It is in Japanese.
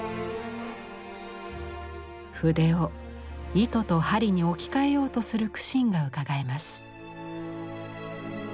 筆を糸と針に置き換えようとする苦心がうかがえます。